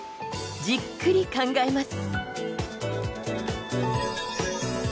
じっくり考えます。